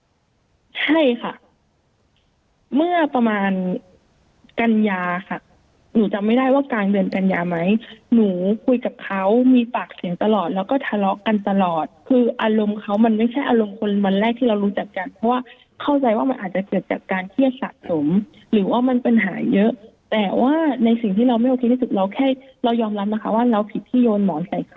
ใช่ค่ะเมื่อประมาณกัญญาค่ะหนูจำไม่ได้ว่ากลางเดือนกันยาไหมหนูคุยกับเขามีปากเสียงตลอดแล้วก็ทะเลาะกันตลอดคืออารมณ์เขามันไม่ใช่อารมณ์คนวันแรกที่เรารู้จักกันเพราะว่าเข้าใจว่ามันอาจจะเกิดจากการเครียดสะสมหรือว่ามันปัญหาเยอะแต่ว่าในสิ่งที่เราไม่โอเคที่สุดเราแค่เรายอมรับนะคะว่าเราผิดที่โยนหมอนใส่เขา